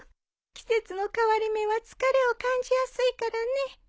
季節の変わり目は疲れを感じやすいからね。